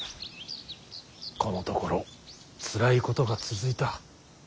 このところつらいことが続いた。